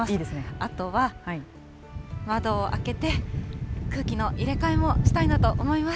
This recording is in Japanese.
あとは窓を開けて、空気の入れ替えもしたいなと思います。